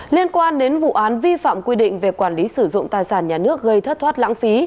liên quan đến vụ án vi phạm quy định về quản lý sử dụng tài sản nhà nước gây thất thoát lãng phí